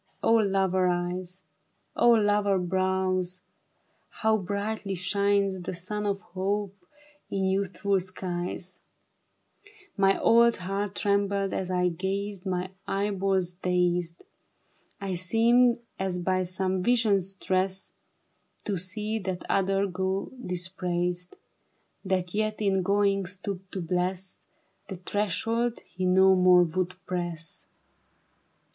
O lover eyes ! lover brows I how brightly shines The sun of hope in youthful skies I My old heart trembled as I gazed, ' My eyeballs dazed ; 1 seemed as by some vision's stress To see that other go dispraised, That yet in going stopped to bless The threshold he no more would press.